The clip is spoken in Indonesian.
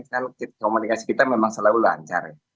kalau komunikasi kita memang selalu lancar